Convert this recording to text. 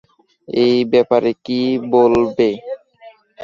এ ব্যাপারে কি বলবে?